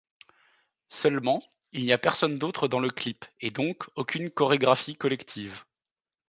Seulement, il n'y a personne d'autre dans le clip, et donc aucune chorégraphie collective.